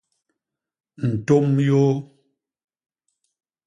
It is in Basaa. Ntôm yôô.